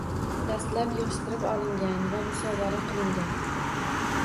Dastlab yig‘ishtirib olingan va musodara qilingan